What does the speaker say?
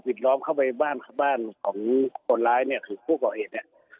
ปิดล้อมเข้าไปบ้านของคนร้ายเนี่ยคือผู้ก่อเอกเนี่ย